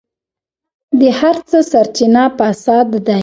د هر څه سرچينه فساد دی.